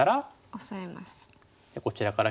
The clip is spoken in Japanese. オサえます。